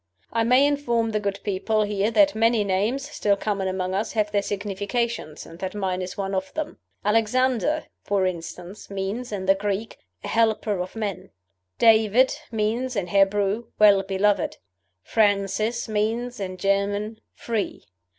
"I may inform the good people here that many names, still common among us, have their significations, and that mine is one of them. 'Alexander,' for instance, means, in the Greek, 'a helper of men.' 'David' means, in Hebrew, 'well beloved.' 'Francis' means, in German, 'free.